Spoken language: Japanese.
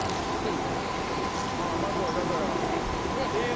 まずはだから。